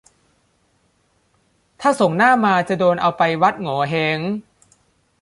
ถ้าส่งหน้ามาจะโดนเอาไปวัดโหงวเฮ้ง